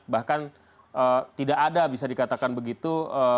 bahkan tidak ada bisa dikatakan begitu